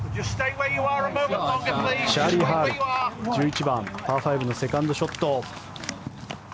チャーリー・ハル１１番、パー５のセカンドショット。